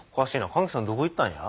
神吉さんどこ行ったんや？